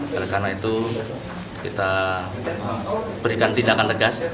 karena itu kita berikan tindakan tegas